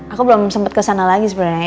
aku belum sempet kesana lagi sebenernya